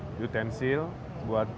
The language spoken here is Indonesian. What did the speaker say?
bisa jadi utensil buat benda